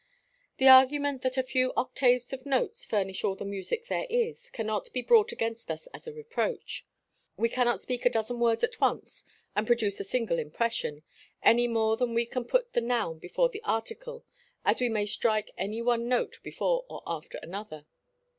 The argument that a few octaves of notes furnish all the music there is, cannot be brought against us as a reproach. We cannot speak a dozen words at once and produce a single impression, any more than we can put the noun before the article as we may strike any one note before or after another.